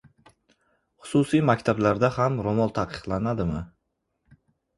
Xususiy maktablarda ham ro‘mol taqiqlanadimi?